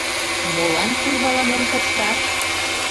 Молан курваланен кошташ?